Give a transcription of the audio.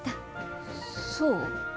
そう？